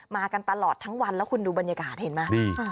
กันตลอดทั้งวันแล้วคุณดูบรรยากาศเห็นไหม